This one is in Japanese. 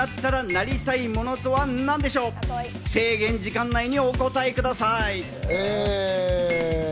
制限時間内にお答えください。